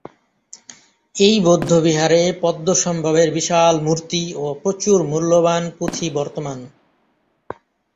এই বৌদ্ধবিহারে পদ্মসম্ভবের বিশাল মূর্তি ও প্রচুর মূল্যবান পুঁথি বর্তমান।